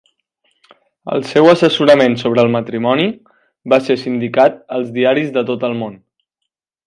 El seu assessorament sobre el matrimoni va ser sindicat als diaris de tot el món.